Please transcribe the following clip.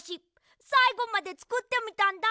さいごまでつくってみたんだ。